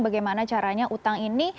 bagaimana caranya utang ini